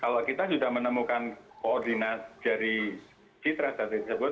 kemudian kita menemukan koordinat dari citra satelit tersebut